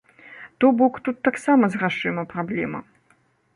То бок, тут таксама з грашыма праблема.